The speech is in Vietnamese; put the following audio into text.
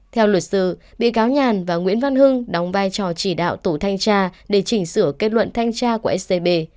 theo luật sư bị cáo nhàn và nguyễn văn hưng đóng vai trò chỉ đạo tủ thanh cha để chỉnh sửa kết luận thanh cha của scb